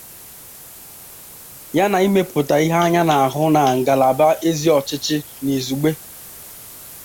ya na imepụta ihe anya na-ahụ na ngalaba ezi ọchịchị n'izugbe.